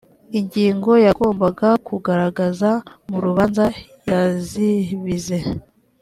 ingingo yagombaga kugaragaza mu rubanza yazibize